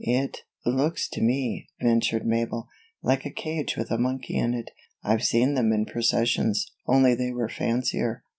"It looks to me," ventured Mabel, "like a cage with a monkey in it. I've seen them in processions, only they were fancier."